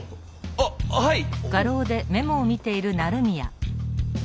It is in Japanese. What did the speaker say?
あっはい。